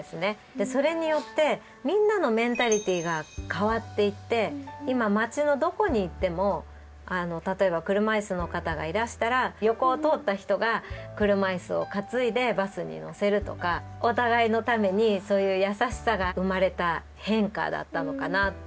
それによってみんなのメンタリティーが変わっていって今街のどこに行っても例えば車椅子の方がいらしたら横を通った人が車椅子を担いでバスに乗せるとかお互いのためにそういう優しさが生まれた変化だったのかなと。